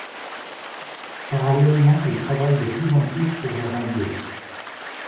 Parallèlement, il travaille de plus en plus pour la radio.